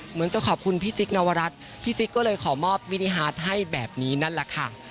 เหมือนจะขอบคุณพี่จิ๊กนวรัฐพี่จิ๊กก็เลยขอมอบมินิฮาร์ดให้แบบนี้นั่นแหละค่ะ